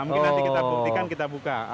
mungkin nanti kita buktikan kita buka